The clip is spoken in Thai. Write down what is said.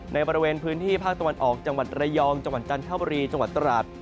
ในบริเวณพื้นที่ภาคตะวันออกจังหวัดระยองจังหวัดจันทบุรีจังหวัดตราด